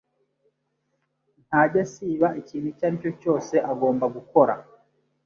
Ntajya asiba ikintu icyo ari cyo cyose agomba gukora.